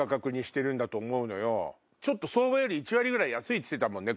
ちょっと相場より１割ぐらい安いっつってたもんね